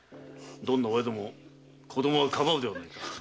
どんな親でも子供はかばうではないか。